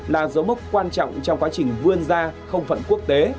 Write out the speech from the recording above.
là dấu mốc quan trọng trong quá trình vươn ra không phận quốc tế